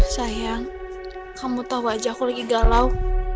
sayang kamu tau aja aku lagi galau